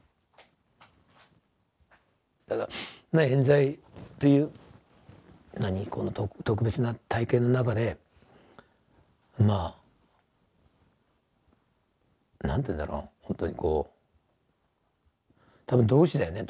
ただえん罪っていう特別な体験の中でまあ何ていうんだろうほんとにこう多分同士だよね。